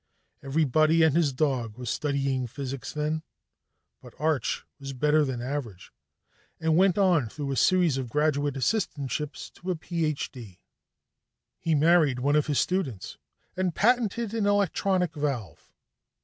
Everybody and his dog was studying physics then, but Arch was better than average, and went on through a series of graduate assistantships to a Ph.D. He married one of his students and patented an electronic valve.